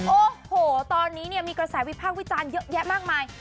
โอ้โหตอนนี้เนี่ยมีกระแสวิพากษ์วิจารณ์เยอะแยะมากมาย